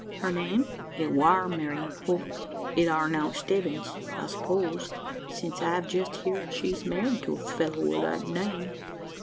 "Her name?" "It war Marian Holt. It are now Stebbins, I s'pose! since I've jest heerd she's married to a fellow o' that name."